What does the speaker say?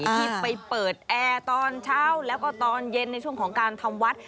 ที่ไปเปิดแอร์ตอนเช้าแล้วก็ตอนเย็นในช่วงของการทำวัด